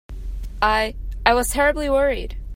I—I was terribly worried.